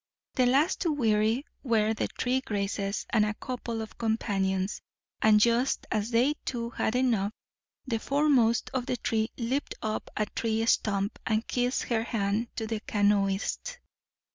The last to weary were the three graces and a couple of companions; and just as they too had had enough, the foremost of the three leaped upon a tree stump and kissed her hand to the canoeists.